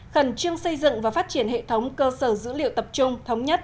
khẩn trương xây dựng và phát triển hệ thống cơ sở dữ liệu tập trung thống nhất